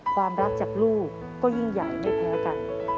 ความรักจากลูกก็ยิ่งใหญ่ไม่แพ้กัน